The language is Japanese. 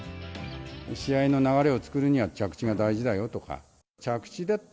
試合の流れを作るには、着地が大事だよとか、着地だって、